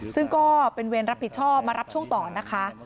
ซึ่งก็เป็นเวรรับผิดชอบมารับช่วงต่อนะคะ